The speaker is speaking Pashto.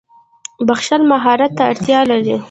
• بښل مهارت ته اړتیا لري.